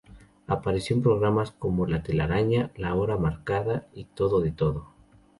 Apareció en programas como "La telaraña", "La hora marcada" y "Todo de todo".